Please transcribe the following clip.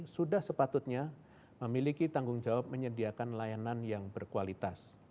sudah sepatutnya memiliki tanggung jawab menyediakan layanan yang berkualitas